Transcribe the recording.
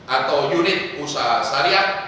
atau unit usaha syariah